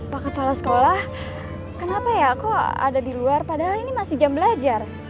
pak kepala sekolah kenapa ya kok ada di luar padahal ini masih jam belajar